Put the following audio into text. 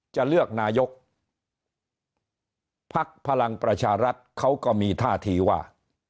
จะเลือกนายกภักดิ์พลังประชารัฐเขาก็มีท่าทีว่า